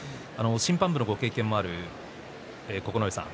審判部のご経験もある九重さん